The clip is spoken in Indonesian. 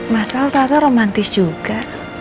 masal papa romantis juga